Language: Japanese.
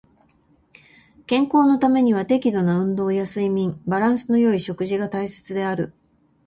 健康のためには適度な運動や睡眠、バランスの良い食事が大切である。